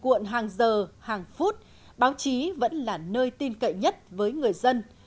cuộn hàng giờ hàng phút báo chí vẫn là nơi tin cậy nhất với người dân